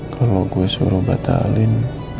kalau gue suruh batalin